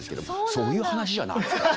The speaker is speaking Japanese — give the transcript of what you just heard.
そういう話じゃないですよね！